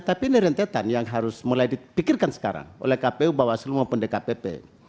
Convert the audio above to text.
tapi ini rentetan yang harus mulai dipikirkan sekarang oleh kpu bawaslu maupun dkpp